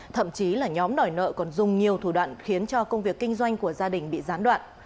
thậm chí là nhóm đòi nợ còn dùng nhiều thủ đoạn khiến cho công việc kinh doanh của gia đình bị gián đoạn